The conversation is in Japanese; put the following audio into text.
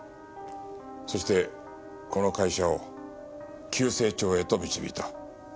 そしてこの会社を急成長へと導いた。